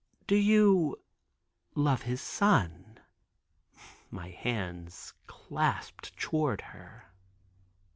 "Do you love His Son?" my hands clasped toward her.